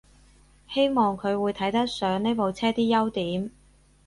希望佢會睇得上呢部車啲優點